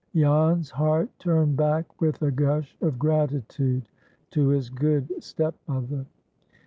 —Jan's heart turned back with a gush of gratitude to his good stepmother.